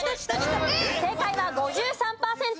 正解は５３パーセント。